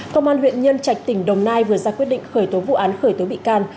công an huyện nhân trạch tỉnh đồng nai vừa ra quyết định khởi tố vụ án khởi tố bị can